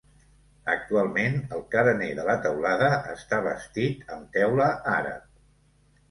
Actualment, el carener de la teulada està bastit amb teula àrab.